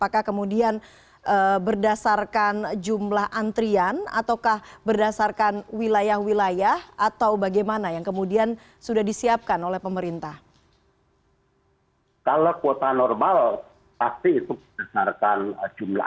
k coordinator untuk organisasi problem